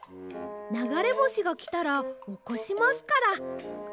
ながれぼしがきたらおこしますから。